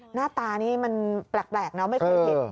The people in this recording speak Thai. หน้าตานี่มันแปลกเนอะไม่เคยเห็น